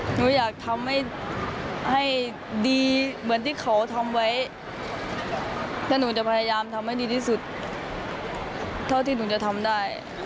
หนูอยากทำให้ดีเหมือนที่เขาทำไว้แล้วหนูจะพยายามทำให้ดีที่สุดเท่าที่หนูจะทำได้